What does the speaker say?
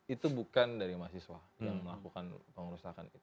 itu bukan dari mahasiswa yang melakukan pengerusakan